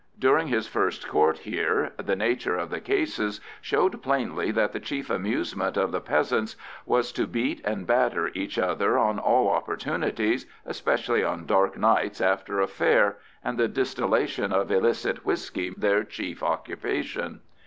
During his first Court here the nature of the cases showed plainly that the chief amusement of the peasants was to beat and batter each other on all opportunities, especially on dark nights after a fair, and the distillation of illicit whisky their chief occupation.